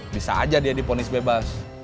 bisa aja dia diponis bebas